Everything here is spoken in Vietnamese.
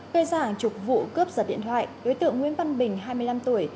bên giảng trục vụ cướp giật điện thoại đối tượng nguyễn văn bình hai mươi năm tuổi